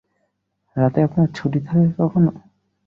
রাতে আপনার ছুটি থাকে কখনো?